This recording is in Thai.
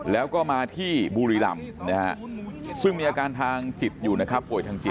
แล้วก็มาที่บุรีรำนะฮะซึ่งมีอาการทางจิตอยู่นะครับป่วยทางจิต